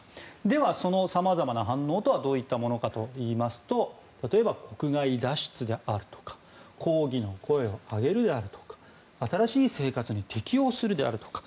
ではその様々な反応はどういったものかといいますと例えば、国外脱出であるとか抗議の声を上げるであるとか新しい生活に適応するであるとか。